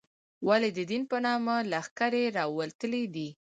ولې د دین په نامه لښکرې راوتلې دي.